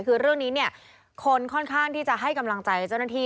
คือเรื่องนี้เนี่ยคนค่อนข้างที่จะให้กำลังใจเจ้าหน้าที่